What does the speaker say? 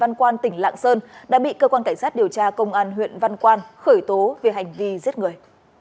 văn quan tỉnh lạng sơn đã bị cơ quan cảnh sát điều tra công an huyện văn quan khởi tố về hành vi giết người